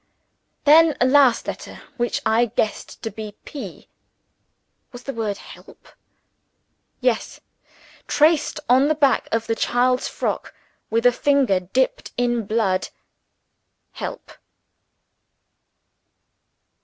Then a last letter, which I guessed to be "P." Was the word "Help"? Yes! traced on the back of the child's frock, with a finger dipped in blood "HELP."